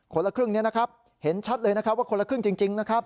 ละครึ่งนี้นะครับเห็นชัดเลยนะครับว่าคนละครึ่งจริงนะครับ